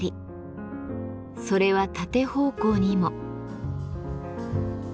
それは縦方向にも。